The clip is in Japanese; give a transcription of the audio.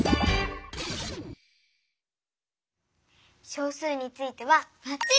小数についてはばっちり！